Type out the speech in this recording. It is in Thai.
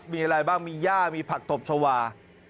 มีอะไรบ้างมีย่ามีผักตบชาวา